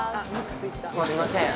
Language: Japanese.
すいません。